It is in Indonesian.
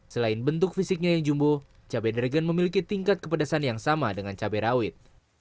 selain bentuk fisiknya yang jumbo cabai dragon memiliki tingkat kepedasan yang sama dengan cabai rawit